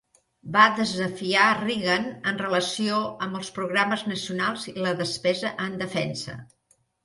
Va desafiar Reagan en relació amb els programes nacionals i la despesa en defensa.